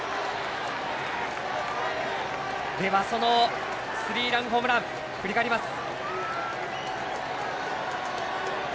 では、そのスリーランホームラン振り返ります。